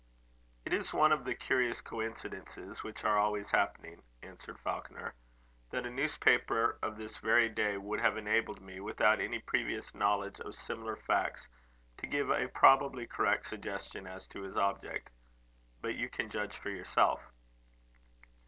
"It is one of the curious coincidences which are always happening," answered Falconer, "that a newspaper of this very day would have enabled me, without any previous knowledge of similar facts, to give a probably correct suggestion as to his object. But you can judge for yourself."